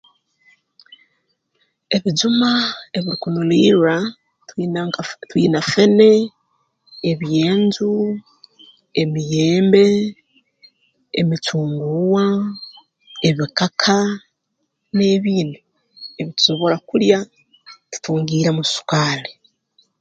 Ebijuma ebirukunulirra twina nka ff twina fene ebyenju emiyembe emicunguuwa ebikaka n'ebindi ebi tusobora kulya tutongiiremu sukaali